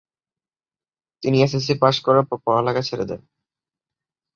তিনি SSC pass করার পর পড়ালেখা ছেড়ে দেন।